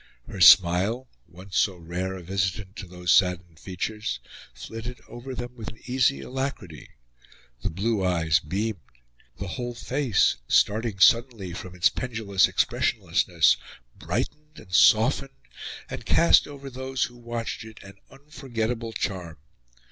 Her smile, once so rare a visitant to those saddened features, flitted over them with an easy alacrity; the blue eyes beamed; the whole face, starting suddenly from its pendulous expressionlessness, brightened and softened and cast over those who watched it an unforgettable charm.